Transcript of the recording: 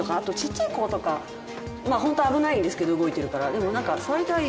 まあホントは危ないんですけど動いてるから。